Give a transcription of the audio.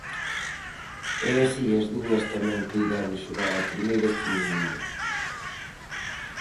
E así as dúas tamén puideron xogar a primeira feminina.